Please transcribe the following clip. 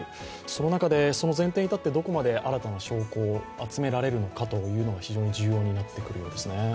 その中で、その前提に立ってどこまで新たな証拠を集められるかっていうのが非常に重要になってくるようですね。